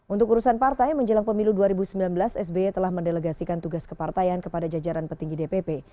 untuk urusan partai menjelang pemilu dua ribu sembilan belas sby telah mendelegasikan tugas kepartaian kepada jajaran petinggi dpp